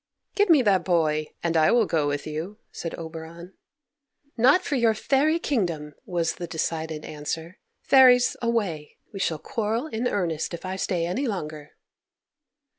"Give me that boy, and I will go with you," said Oberon. "Not for your fairy kingdom!" was the decided answer. "Fairies, away! We shall quarrel in earnest if I stay any longer."